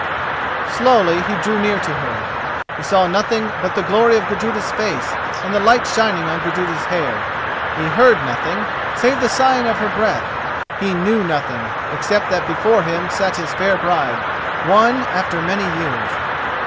_" Slowly he drew near to her. He saw nothing but the glory of Gudruda's face and the light shining on Gudruda's hair; he heard nothing save the sighing of her breath; he knew nothing except that before him sat his fair bride, won after many years.